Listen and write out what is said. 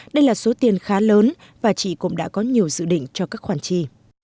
đây là số tiền khá lớn và chị cũng đã có nhiều dự định cho các khoản chi